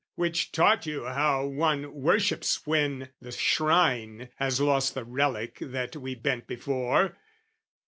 Which taught you how one worships when the shrine Has lost the relic that we bent before.